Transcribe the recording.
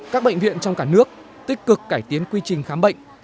các bệnh viện trong cả nước tích cực cải tiến quy trình khám bệnh